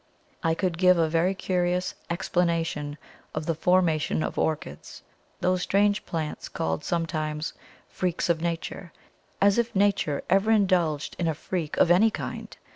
I could give a very curious explanation of the formation of ORCHIDS, those strange plants called sometimes "Freaks of Nature," as if Nature ever indulged in a "freak" of any kind!